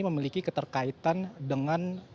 memiliki keterkaitan dengan